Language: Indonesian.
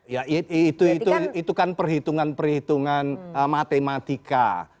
ya itu itu itu kan perhitungan perhitungan matematika